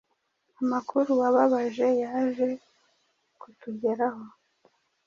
Amakuru ababaje yaje kutugeraho